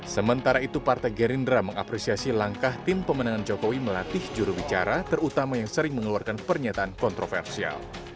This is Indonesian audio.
sementara itu partai gerindra mengapresiasi langkah tim pemenangan jokowi melatih jurubicara terutama yang sering mengeluarkan pernyataan kontroversial